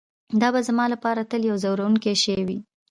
دا به زما لپاره تل یو ځورونکی شی وي